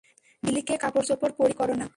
বিলিকে কাপড়চোপড় পরিয়ে রেডি করো না?